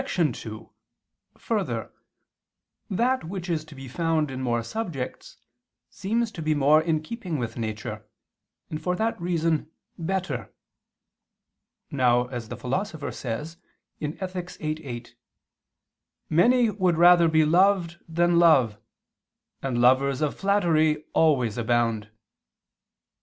2: Further, that which is to be found in more subjects seems to be more in keeping with nature, and, for that reason, better. Now, as the Philosopher says (Ethic. viii, 8), "many would rather be loved than love, and lovers of flattery always abound."